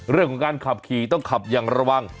เรื่องของการขับขี่ต้องขับอย่างระวัง